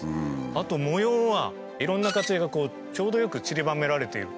あと模様はいろんなちょうどよくちりばめられている。